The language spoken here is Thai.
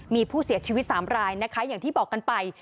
มีผู้เสียชีวิต๓รายนะคะอย่างที่บอกกันไป